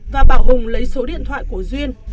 và bảo hùng lấy số điện thoại của duyên